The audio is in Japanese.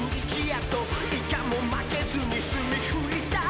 「イカも負けずにスミふいた」